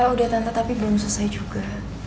udah tante tapi belum selesai juga